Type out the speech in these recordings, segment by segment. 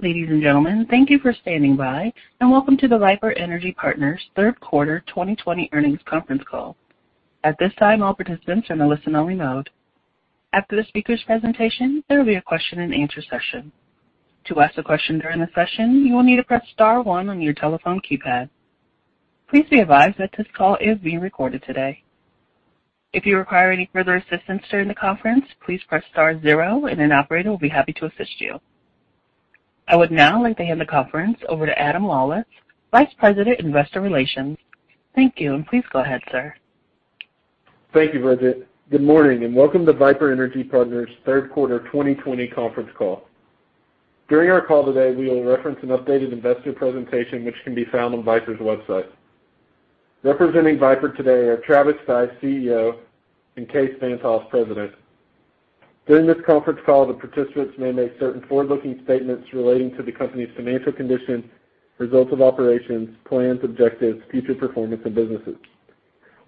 Ladies and gentlemen, thank you for standing by, and welcome to the Viper Energy Partners third quarter 2020 earnings conference call. At this time, all participants are in a listen-only mode. After the speakers' presentation, there will be a question and answer session. To ask a question during the session, you will need to press star one on your telephone keypad. Please be advised that this call is being recorded today. If you require any further assistance during the conference, please press star zero and an operator will be happy to assist you. I would now like to hand the conference over to Adam Lawlis, Vice President, Investor Relations. Thank you, and please go ahead, sir. Thank you, Bridgette. Good morning, and welcome to Viper Energy Partners' third quarter 2020 conference call. During our call today, we will reference an updated investor presentation, which can be found on Viper's website. Representing Viper today are Travis Stice, CEO, and Kaes Van't Hof, President. During this conference call, the participants may make certain forward-looking statements relating to the company's financial condition, results of operations, plans, objectives, future performance, and businesses.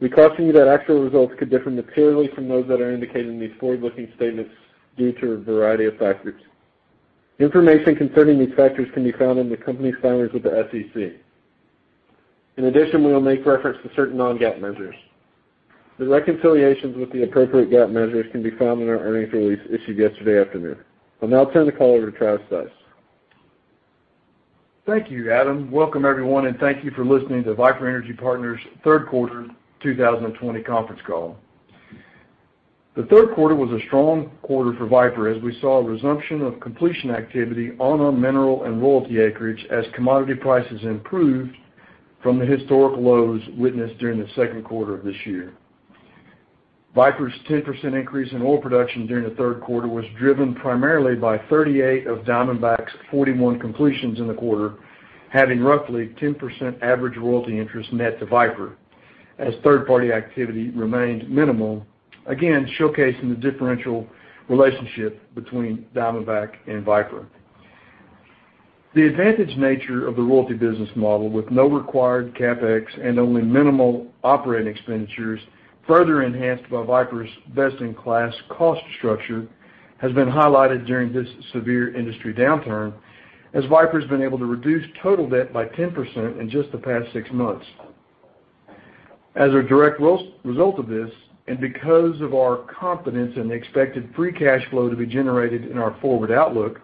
We caution you that actual results could differ materially from those that are indicated in these forward-looking statements due to a variety of factors. Information concerning these factors can be found in the company's filings with the SEC. We will make reference to certain non-GAAP measures. The reconciliations with the appropriate GAAP measures can be found in our earnings release issued yesterday afternoon. I'll now turn the call over to Travis Stice. Thank you, Adam. Welcome everyone, and thank you for listening to Viper Energy Partners' third quarter 2020 conference call. The third quarter was a strong quarter for Viper as we saw a resumption of completion activity on our mineral and royalty acreage as commodity prices improved from the historical lows witnessed during the second quarter of this year. Viper's 10% increase in oil production during the third quarter was driven primarily by 38 of Diamondback's 41 completions in the quarter, having roughly 10% average royalty interest net to Viper as third-party activity remained minimal, again, showcasing the differential relationship between Diamondback and Viper. The advantaged nature of the royalty business model with no required CapEx and only minimal operating expenditures, further enhanced by Viper's best-in-class cost structure, has been highlighted during this severe industry downturn as Viper's been able to reduce total debt by 10% in just the past six months. As a direct result of this, and because of our confidence in the expected free cash flow to be generated in our forward outlook,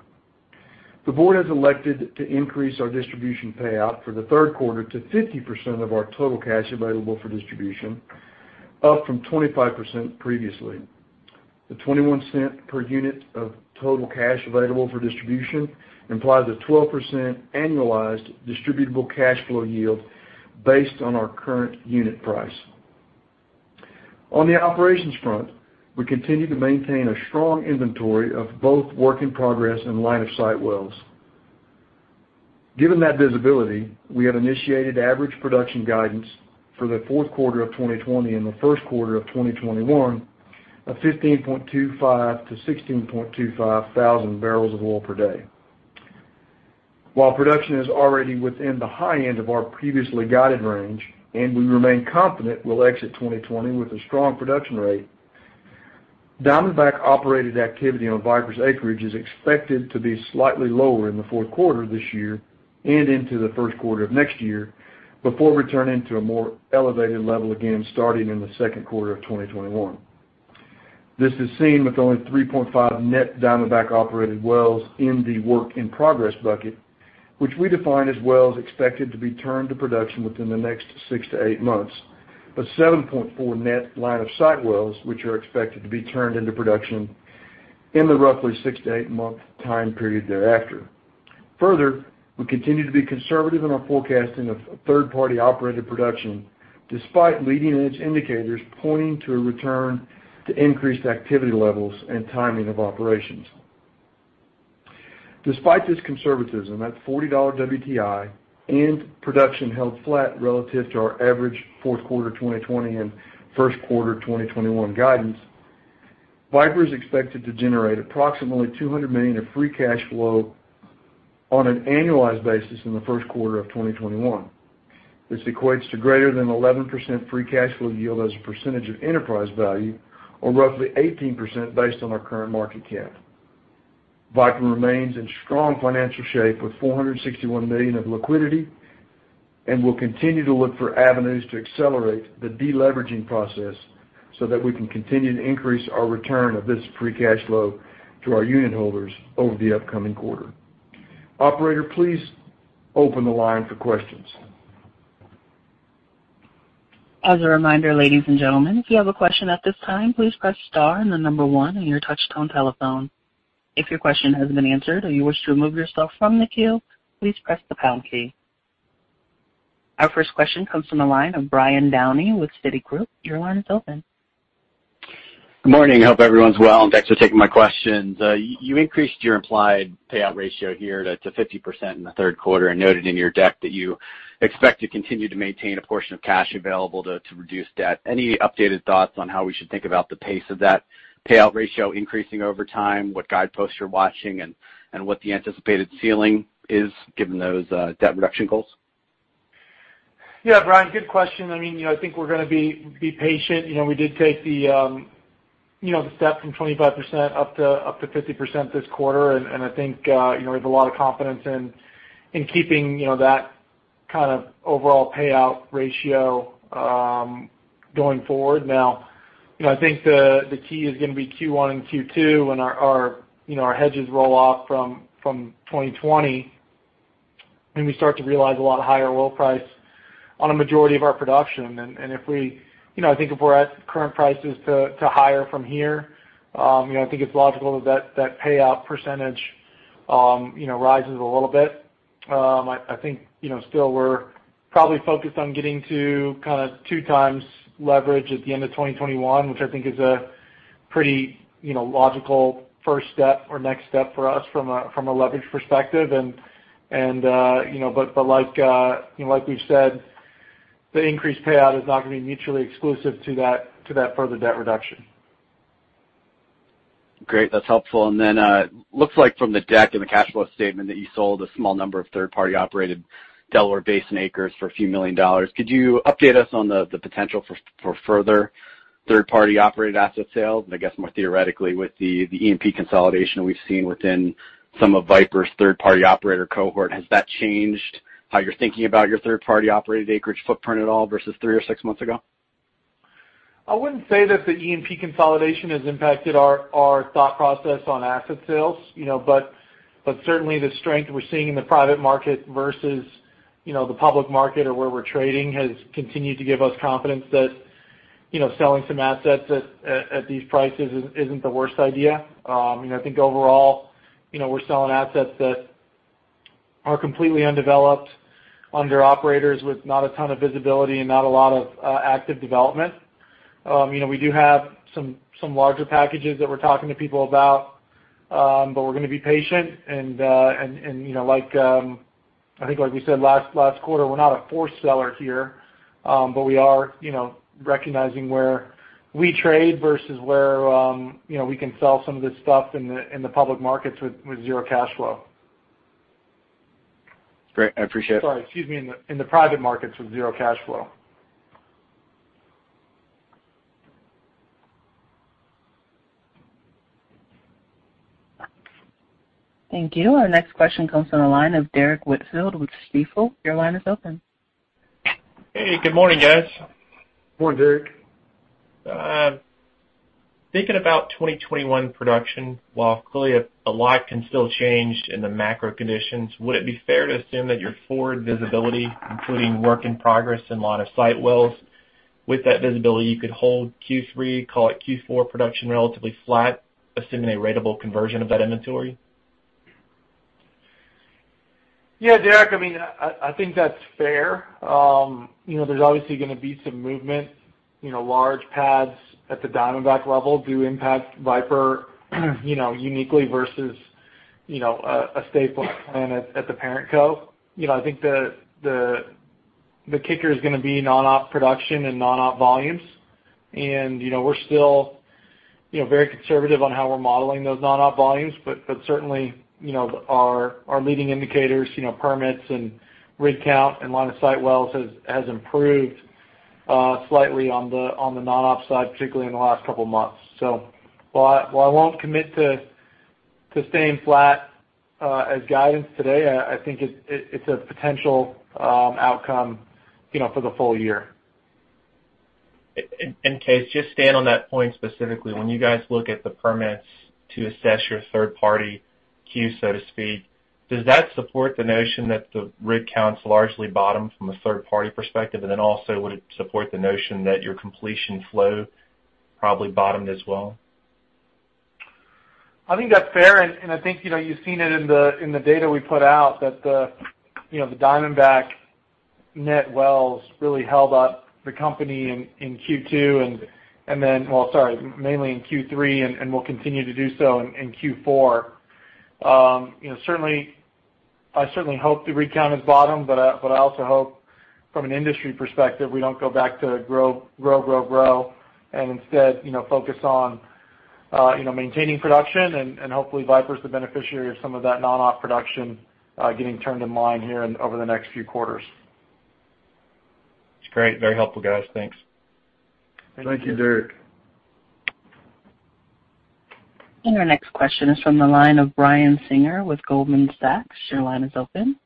the board has elected to increase our distribution payout for the third quarter to 50% of our total cash available for distribution, up from 25% previously. The $0.21 per unit of total cash available for distribution implies a 12% annualized distributable cash flow yield based on our current unit price. On the operations front, we continue to maintain a strong inventory of both work-in-progress and line-of-sight wells. Given that visibility, we have initiated average production guidance for the fourth quarter of 2020 and the first quarter of 2021 of 15.25-16.25 thousand barrels of oil per day. While production is already within the high end of our previously guided range, and we remain confident we'll exit 2020 with a strong production rate, Diamondback-operated activity on Viper's acreage is expected to be slightly lower in the fourth quarter this year and into the first quarter of next year before returning to a more elevated level again starting in the second quarter of 2021. This is seen with only 3.5 net Diamondback-operated wells in the work-in-progress bucket, which we define as wells expected to be turned to production within the next six to eight months, but 7.4 net line of sight wells, which are expected to be turned into production in the roughly six to eight-month time period thereafter. Further, we continue to be conservative in our forecasting of third-party operated production despite leading edge indicators pointing to a return to increased activity levels and timing of operations. Despite this conservatism, at $40 WTI and production held flat relative to our average fourth quarter 2020 and first quarter 2021 guidance, Viper is expected to generate approximately $200 million of free cash flow on an annualized basis in the first quarter of 2021. This equates to greater than 11% free cash flow yield as a percentage of enterprise value, or roughly 18% based on our current market cap. Viper remains in strong financial shape with $461 million of liquidity and will continue to look for avenues to accelerate the de-leveraging process so that we can continue to increase our return of this free cash flow to our unit holders over the upcoming quarter. Operator, please open the line for questions. As a reminder, ladies and gentlemen, if you have a question at this time, please press star and the number one on your touchtone telephone. If your question has been answered or you wish to remove yourself from the queue, please press the pound key. Our first question comes from the line of Brian Downey with Citigroup. Your line is open. Good morning. Hope everyone's well, and thanks for taking my questions. You increased your implied payout ratio here to 50% in the third quarter and noted in your deck that you expect to continue to maintain a portion of cash available to reduce debt. Any updated thoughts on how we should think about the pace of that payout ratio increasing over time, what guideposts you're watching, and what the anticipated ceiling is given those debt reduction goals? Yeah, Brian, good question. I think we're going to be patient. We did take the step from 25% up to 50% this quarter, and I think we have a lot of confidence in keeping that kind of overall payout ratio going forward. Now, I think the key is going to be Q1 and Q2 when our hedges roll off from 2020, and we start to realize a lot higher oil price on a majority of our production. I think if we're at current prices to higher from here, I think it's logical that that payout percentage rises a little bit. I think still we're probably focused on getting to 2 times leverage at the end of 2021, which I think is a pretty logical first step or next step for us from a leverage perspective. Like we've said, the increased payout is not going to be mutually exclusive to that further debt reduction. Great. That's helpful. Then, looks like from the deck and the cash flow statement that you sold a small number of third-party operated Delaware Basin acres for a few million dollars. Could you update us on the potential for further third-party operated asset sales? I guess more theoretically with the E&P consolidation we've seen within some of Viper's third-party operator cohort, has that changed how you're thinking about your third-party operated acreage footprint at all versus three or six months ago? I wouldn't say that the E&P consolidation has impacted our thought process on asset sales. Certainly the strength we're seeing in the private market versus the public market or where we're trading has continued to give us confidence that selling some assets at these prices isn't the worst idea. I think overall we're selling assets that are completely undeveloped under operators with not a ton of visibility and not a lot of active development. We do have some larger packages that we're talking to people about, we're going to be patient, and I think like we said last quarter, we're not a forced seller here. We are recognizing where we trade versus where we can sell some of this stuff in the public markets with zero cash flow. Great. I appreciate it. Sorry. Excuse me, in the private markets with zero cash flow. Thank you. Our next question comes from the line of Derrick Whitfield with Stifel. Your line is open. Hey, good morning, guys. Morning, Derrick. Thinking about 2021 production, while clearly a lot can still change in the macro conditions, would it be fair to assume that your forward visibility, including work in progress and line of sight wells, with that visibility, you could hold Q3, call it Q4 production relatively flat, assuming a ratable conversion of that inventory? Yeah, Derrick, I think that's fair. There's obviously going to be some movement, large pads at the Diamondback level do impact Viper uniquely versus a staple plan at the parent co. I think the kicker is going to be non-op production and non-op volumes. We're still very conservative on how we're modeling those non-op volumes, but certainly, our leading indicators, permits and rig count and line of sight wells has improved slightly on the non-op side, particularly in the last couple of months. While I won't commit to staying flat as guidance today, I think it's a potential outcome for the full year. Kaes, just staying on that point specifically, when you guys look at the permits to assess your third-party queue, so to speak, does that support the notion that the rig count's largely bottomed from a third-party perspective? Then also, would it support the notion that your completion flow probably bottomed as well? I think that's fair. I think you've seen it in the data we put out that the Diamondback net wells really held up the company in Q2, well, sorry, mainly in Q3 and will continue to do so in Q4. I certainly hope the rig count has bottomed, but I also hope from an industry perspective, we don't go back to grow. Instead, focus on maintaining production and hopefully Viper's the beneficiary of some of that non-op production getting turned in line here over the next few quarters. That's great. Very helpful, guys. Thanks. Thank you, Derrick. Our next question is from the line of Brian Singer with Goldman Sachs. Your line is open.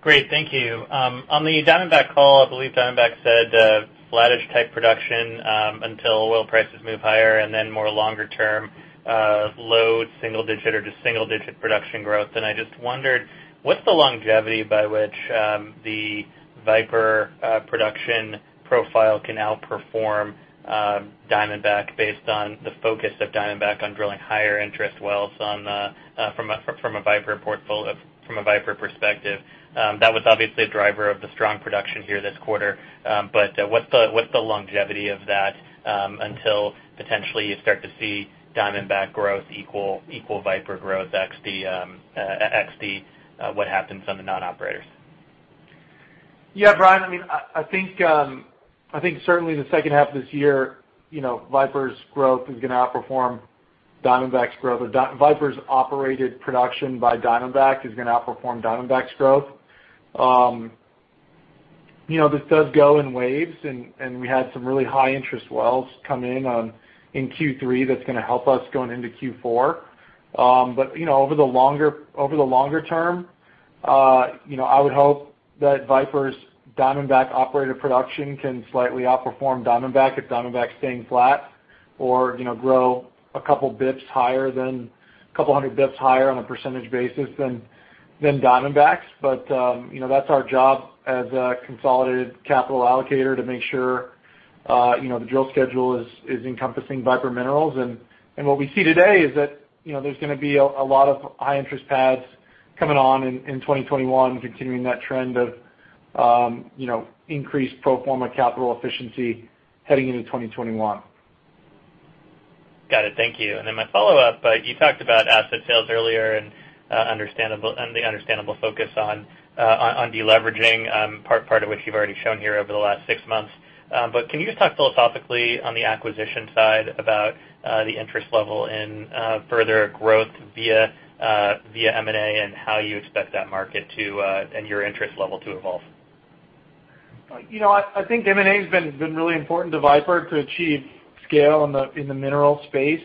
Great. Thank you. On the Diamondback call, I believe Diamondback said flattish type production until oil prices move higher and then more longer term load single-digit or just single-digit production growth. I just wondered what's the longevity by which the Viper production profile can outperform Diamondback based on the focus of Diamondback on drilling higher interest wells from a Viper perspective? That was obviously a driver of the strong production here this quarter. What's the longevity of that until potentially you start to see Diamondback growth equal Viper growth ex the what happens on the non-operators? Brian, I think certainly the second half of this year Viper's growth is going to outperform Diamondback's growth. Viper's operated production by Diamondback is going to outperform Diamondback's growth. This does go in waves. We had some really high-interest wells come in in Q3 that's going to help us going into Q4. Over the longer term, I would hope that Viper's Diamondback-operated production can slightly outperform Diamondback if Diamondback's staying flat or grow 200 basis points higher on a percentage basis than Diamondback's. That's our job as a consolidated capital allocator to make sure the drill schedule is encompassing Viper Minerals. What we see today is that there's going to be a lot of high-interest pads coming on in 2021, continuing that trend of increased pro forma capital efficiency heading into 2021. Got it. Thank you. My follow-up, you talked about asset sales earlier and the understandable focus on de-leveraging, part of which you've already shown here over the last six months. Can you just talk philosophically on the acquisition side about the interest level in further growth via M&A and how you expect that market and your interest level to evolve? I think M&A has been really important to Viper to achieve scale in the minerals space.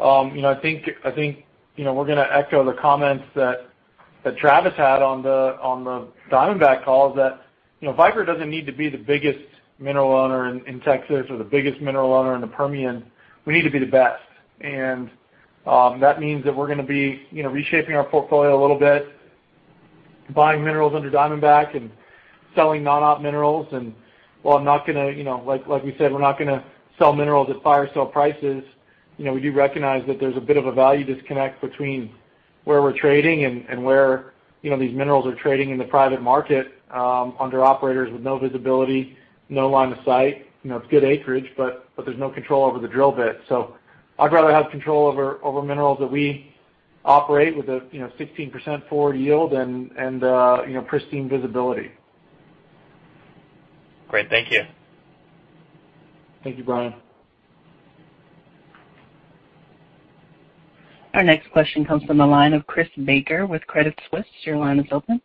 I think we're going to echo the comments that Travis had on the Diamondback calls, that Viper doesn't need to be the biggest mineral owner in Texas or the biggest mineral owner in the Permian. We need to be the best. That means that we're going to be reshaping our portfolio a little bit, buying minerals under Diamondback and selling non-op minerals. While, like we said, we're not going to sell minerals at fire-sale prices, we do recognize that there's a bit of a value disconnect between where we're trading and where these minerals are trading in the private market under operators with no visibility, no line of sight. It's good acreage, but there's no control over the drill bit. I'd rather have control over minerals that we operate with a 16% forward yield and pristine visibility. Great. Thank you. Thank you, Brian. Our next question comes from the line of Chris Baker with Credit Suisse. Your line is open.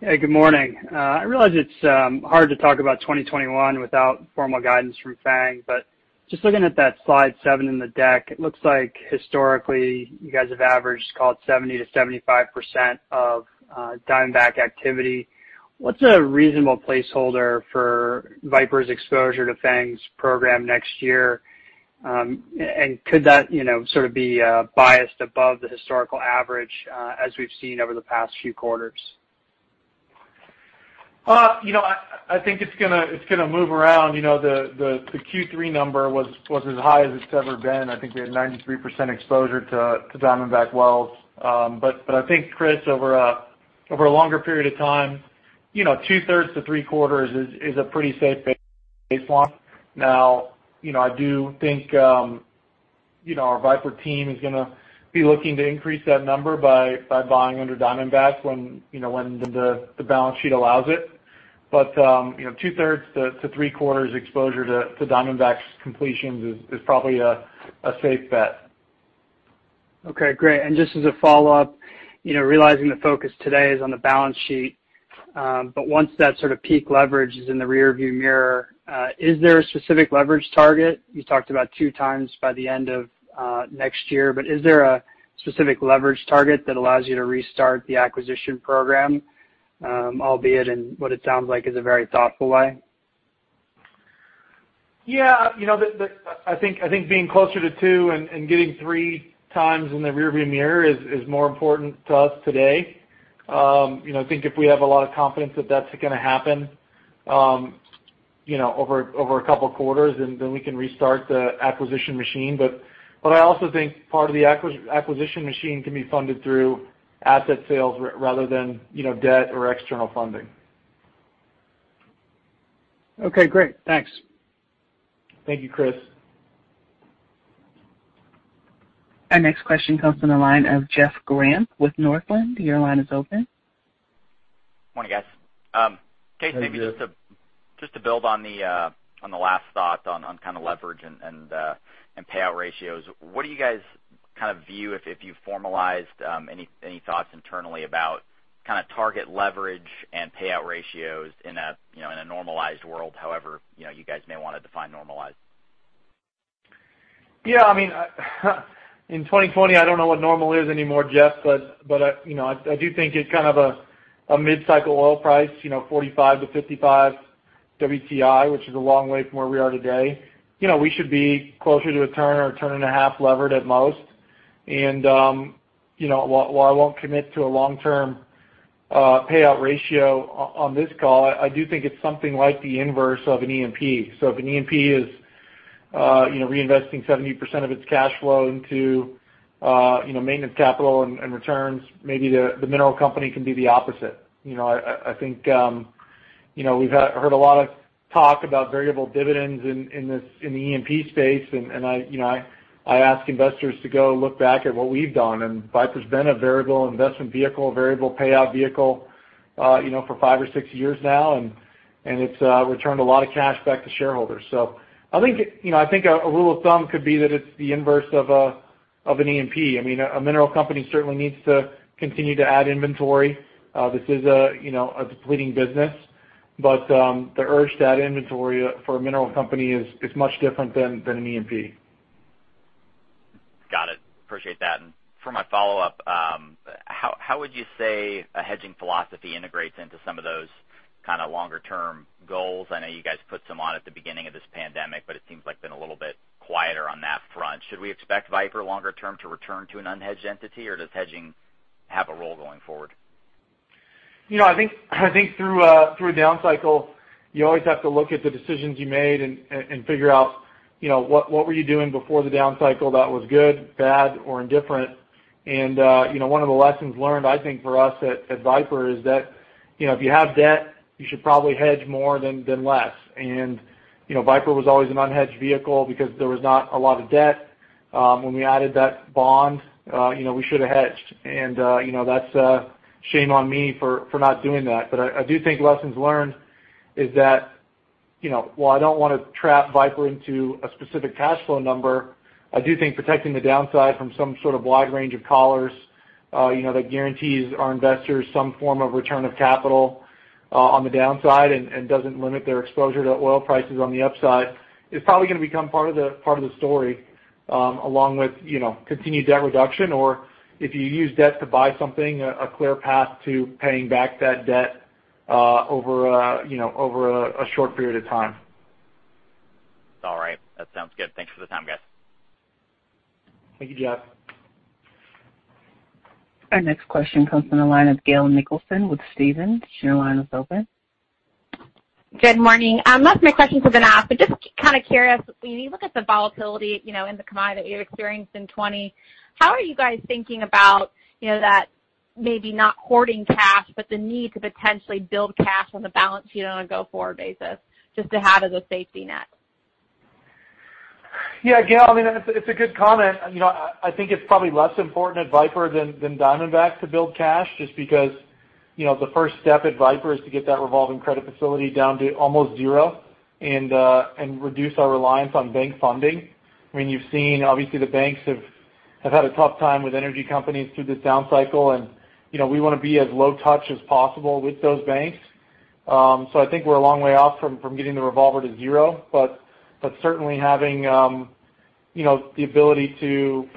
Hey, good morning. I realized it 's hard to talk about 2021 without former guidance for a fact but just looking at that slide seven in the deck, it looks like historically, you guys have averaged call it 70%-75% of Diamondback activity. What's a reasonable placeholder for Viper's exposure to Fang's program next year? Could that sort of be biased above the historical average as we've seen over the past few quarters? I think it's going to move around. The Q3 number was as high as it's ever been. I think we had 93% exposure to Diamondback wells. I think, Chris, over a longer period of time, two-thirds to three-quarters is a pretty safe baseline. I do think our Viper team is going to be looking to increase that number by buying under Diamondback when the balance sheet allows it. Two-thirds to three-quarters exposure to Diamondback's completions is probably a safe bet. Okay, great. Just as a follow-up, realizing the focus today is on the balance sheet, but once that sort of peak leverage is in the rearview mirror, is there a specific leverage target? You talked about two times by the end of next year, but is there a specific leverage target that allows you to restart the acquisition program, albeit in what it sounds like is a very thoughtful way? I think being closer to two and getting three times in the rearview mirror is more important to us today. I think if we have a lot of confidence that that's going to happen over a couple of quarters, we can restart the acquisition machine. I also think part of the acquisition machine can be funded through asset sales rather than debt or external funding. Okay, great. Thanks. Thank you, Chris. Our next question comes from the line of Jeff Grampp with Northland. Your line is open. Morning, guys. Hey, Jeff. Kaes, maybe just to build on the last thought on leverage and payout ratios, what do you guys view if you formalized any thoughts internally about target leverage and payout ratios in a normalized world, however you guys may want to define normalized? In 2020, I don't know what normal is anymore, Jeff, but I do think at kind of a mid-cycle oil price, $45-$55 WTI, which is a long way from where we are today, we should be closer to a turn or a turn and a half levered at most. While I won't commit to a long-term payout ratio on this call, I do think it's something like the inverse of an E&P. If an E&P is reinvesting 70% of its cash flow into maintenance capital and returns, maybe the mineral company can be the opposite. I think we've heard a lot of talk about variable dividends in the E&P space, and I ask investors to go look back at what we've done, and Viper's been a variable investment vehicle, a variable payout vehicle for five or six years now, and it's returned a lot of cash back to shareholders. I think a rule of thumb could be that it's the inverse of an E&P. A mineral company certainly needs to continue to add inventory. This is a depleting business, but the urge to add inventory for a mineral company is much different than an E&P. Got it. Appreciate that. For my follow-up, how would you say a hedging philosophy integrates into some of those kind of longer-term goals? I know you guys put some on at the beginning of this pandemic, but it seems like been a little bit quieter on that front. Should we expect Viper longer term to return to an unhedged entity, or does hedging have a role going forward? I think through a down cycle, you always have to look at the decisions you made and figure out what were you doing before the down cycle that was good, bad, or indifferent. One of the lessons learned, I think, for us at Viper is that if you have debt, you should probably hedge more than less. Viper was always an unhedged vehicle because there was not a lot of debt. When we added that bond, we should have hedged. That's shame on me for not doing that. I do think lessons learned is that, while I don't want to trap Viper into a specific cash flow number, I do think protecting the downside from some sort of wide range of collars that guarantees our investors some form of return of capital on the downside and doesn't limit their exposure to oil prices on the upside is probably going to become part of the story, along with continued debt reduction. If you use debt to buy something, a clear path to paying back that debt over a short period of time. All right. That sounds good. Thanks for the time, guys. Thank you, Jeff. Our next question comes from the line of Gail Nicholson with Stephens. Your line is open. Good morning. Most of my questions have been asked, but just kind of curious, when you look at the volatility in the commodity you experienced in 2020, how are you guys thinking about that maybe not hoarding cash, but the need to potentially build cash on the balance sheet on a go-forward basis, just to have as a safety net? Yeah, Gail, it's a good comment. I think it's probably less important at Viper than Diamondback to build cash just because the first step at Viper is to get that revolving credit facility down to almost zero and reduce our reliance on bank funding. You've seen, obviously, the banks have had a tough time with energy companies through this down cycle. We want to be as low touch as possible with those banks. I think we're a long way off from getting the revolver to zero. Certainly having the ability to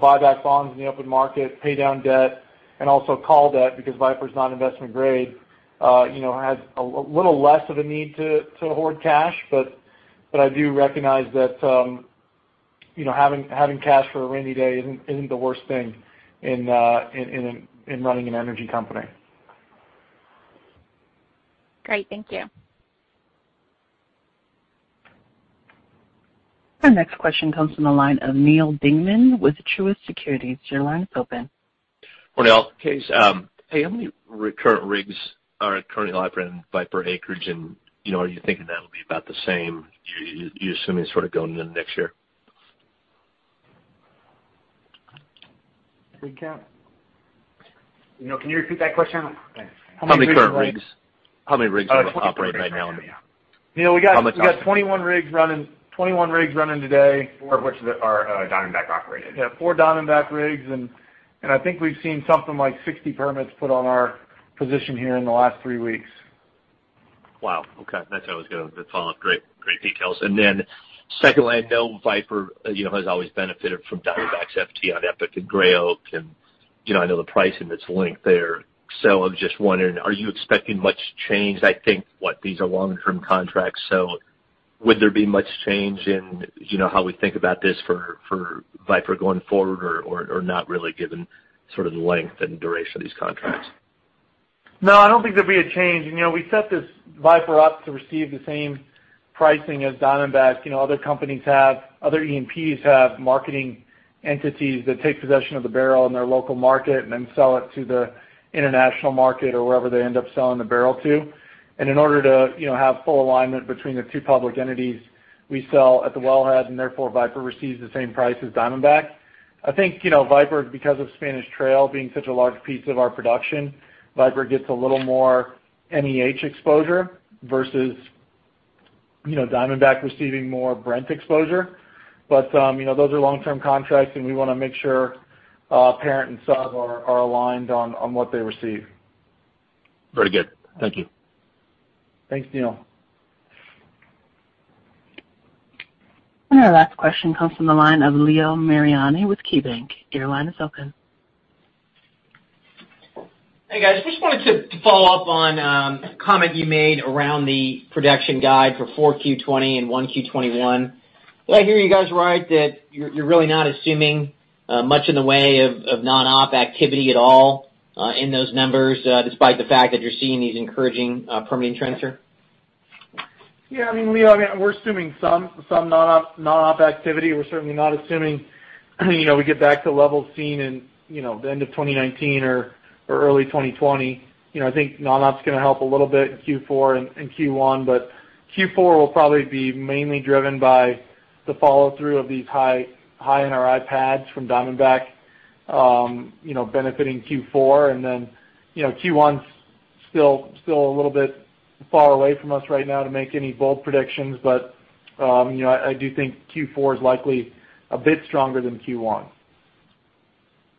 buy back bonds in the open market, pay down debt, and also call debt because Viper's not investment grade, has a little less of a need to hoard cash. I do recognize that having cash for a rainy day isn't the worst thing in running an energy company. Great. Thank you. Our next question comes from the line of Neal Dingmann with Truist Securities. Your line is open. Good morning, all. Hey, how many current rigs are currently operating Viper acreage, and are you thinking that'll be about the same you're assuming sort of going into next year? Rig count? Can you repeat that question? How many current rigs? How many rigs are operating right now? Neal, we got 21 rigs running today. Four of which are Diamondback operated. Yeah, four Diamondback rigs, and I think we've seen something like 60 permits put on our position here in the last three weeks. Wow, okay. That's what I was going to follow up. Great details. Secondly, I know Viper has always benefited from Diamondback's FT on EPIC and Gray Oak, and I know the pricing that's linked there. I was just wondering, are you expecting much change? I think these are long-term contracts, would there be much change in how we think about this for Viper going forward or not really given sort of the length and duration of these contracts? I don't think there'd be a change. We set this Viper up to receive the same pricing as Diamondback. Other E&Ps have marketing entities that take possession of the barrel in their local market and then sell it to the international market or wherever they end up selling the barrel to. In order to have full alignment between the two public entities, we sell at the wellhead, and therefore, Viper receives the same price as Diamondback. I think Viper, because of Spanish Trail being such a large piece of our production, Viper gets a little more MEH exposure versus Diamondback receiving more Brent exposure. Those are long-term contracts, and we want to make sure parent and sub are aligned on what they receive. Very good. Thank you. Thanks, Neal. Our last question comes from the line of Leo Mariani with KeyBanc. Your line is open. Hey, guys. Just wanted to follow up on a comment you made around the production guide for 4Q 2020 and 1Q 2021. Did I hear you guys right that you're really not assuming much in the way of non-op activity at all in those numbers, despite the fact that you're seeing these encouraging permitting trends here? Yeah, Leo, we're assuming some non-op activity. We're certainly not assuming we get back to levels seen in the end of 2019 or early 2020. I think non-op's going to help a little bit in Q4 and Q1, but Q4 will probably be mainly driven by the follow-through of these high NRI pads from Diamondback benefiting Q4. Q1's still a little bit far away from us right now to make any bold predictions. I do think Q4 is likely a bit stronger than Q1.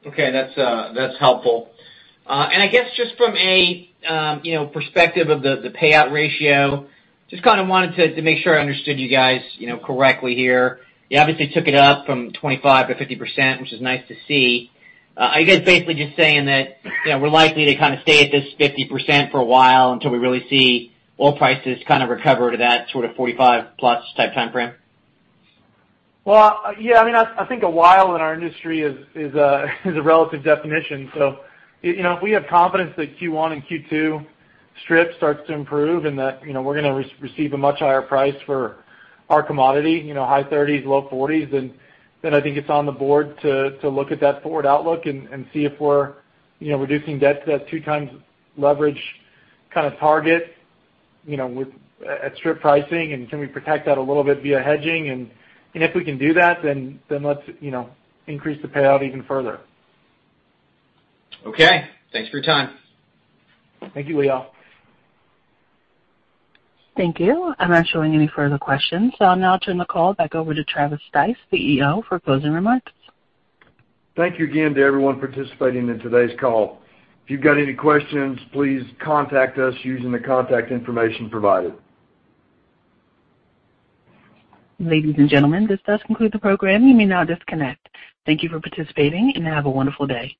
Okay, that's helpful. I guess just from a perspective of the payout ratio, just kind of wanted to make sure I understood you guys correctly here. You obviously took it up from 25% to 50%, which is nice to see. I guess basically just saying that we're likely to kind of stay at this 50% for a while until we really see oil prices kind of recover to that sort of $45 plus type timeframe? Well, yeah. I think a while in our industry is a relative definition. We have confidence that Q1 and Q2 strip starts to improve and that we're going to receive a much higher price for our commodity, high $30s, low $40s. I think it's on the board to look at that forward outlook and see if we're reducing debt to that two times leverage kind of target at strip pricing, and can we protect that a little bit via hedging? If we can do that, let's increase the payout even further. Okay. Thanks for your time. Thank you, Leo. Thank you. I'm not showing any further questions, so I'll now turn the call back over to Travis Stice, CEO, for closing remarks. Thank you again to everyone participating in today's call. If you've got any questions, please contact us using the contact information provided. Ladies and gentlemen, this does conclude the program. You may now disconnect. Thank you for participating, and have a wonderful day.